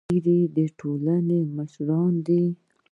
سپین ږیری د ټولنې مشران دي